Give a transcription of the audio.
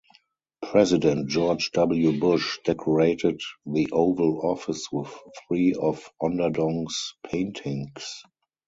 President George W. Bush decorated the Oval Office with three of Onderdonk's paintings.